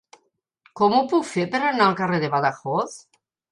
Com ho puc fer per anar al carrer de Badajoz?